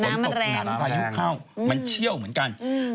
น้ำมันแรงมันเชี่ยวเหมือนกัน